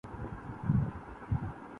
جہاں تیرا نقشِ قدم دیکھتے ہیں